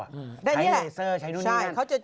ใช้เลเซอร์ใช้นู่นนี่นั่น